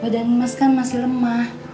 badan emas kan masih lemah